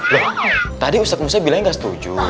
loh tadi ustadz musa bilang gak setuju